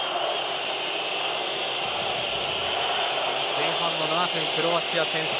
前半の７分クロアチア先制。